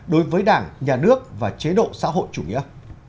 đối với đảng nhà nước và chế độ xã hội chủ nghĩa